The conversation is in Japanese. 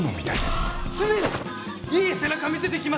常にいい背中見せていきますんで！